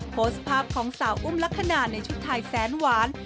โพสต์ภาพของสาวอุ้มลักษณะในชุดไทยแสนหวาน